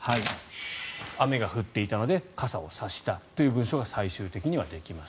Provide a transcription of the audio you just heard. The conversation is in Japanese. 雨が降っていたので傘を差したという文章が最終的にはできます。